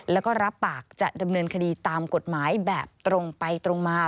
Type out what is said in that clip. แล้วก็รับปากจะดำเนินคดีตามกฎหมายแบบตรงไปตรงมา